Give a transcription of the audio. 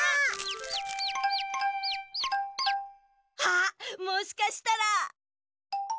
あっもしかしたら。